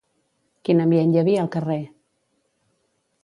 Quin ambient hi havia al carrer?